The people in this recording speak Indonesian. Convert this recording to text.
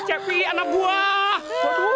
cepi anak buah